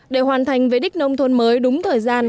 để hoàn thành về đích nông thôn mới đúng thời gian